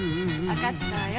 わかったわよ。